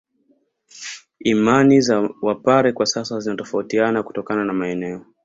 Imani za Wapare kwa sasa zinatofautiana kutokana na maeneo